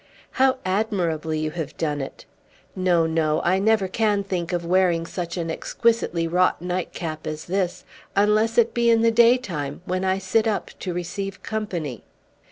How admirably you have done it! No, no; I never can think of wearing such an exquisitely wrought nightcap as this, unless it be in the daytime, when I sit up to receive company."